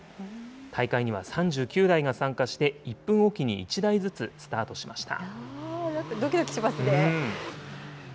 大会には３９台が参加して、１分置きに１台ずつスタートしました。